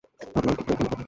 ভাবলাম তোমাকে এখানে পাব।